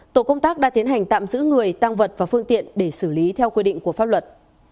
tổ công tác đã tiến hành tạm giữ người tăng vật và phương tiện để xử lý theo quy định của pháp luật